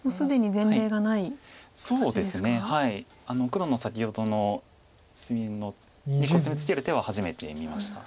黒の先ほどの隅にコスミツケる手は初めて見ました。